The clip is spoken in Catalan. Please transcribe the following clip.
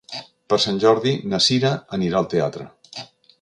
Per Sant Jordi na Sira anirà al teatre.